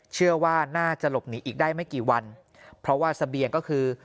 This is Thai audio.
เชื่อว่าน่าจะหลบหนีอีกได้ไม่กี่วันเพราะว่าเสบียงก็คือ